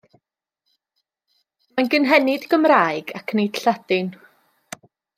Mae'n gynhenid Gymraeg ac nid Lladin.